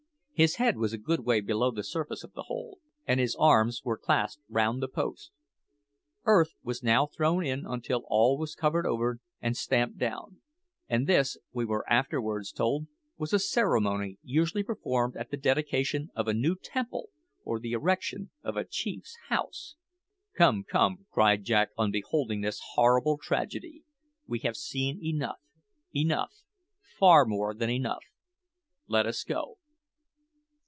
His head was a good way below the surface of the hole, and his arms were clasped round the post. Earth was now thrown in until all was covered over and stamped down; and this, we were afterwards told, was a ceremony usually performed at the dedication of a new temple or the erection of a chief's house! "Come, come," cried Jack on beholding this horrible tragedy; "we have seen enough, enough far more than enough! Let us go."